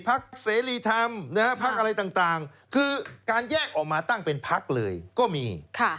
เสรีธรรมพักอะไรต่างคือการแยกออกมาตั้งเป็นพักเลยก็มี